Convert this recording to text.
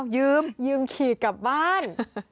ยืมยืมขี่กลับบ้าน